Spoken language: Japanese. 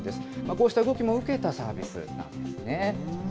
こうした動きも受けたサービスなんですね。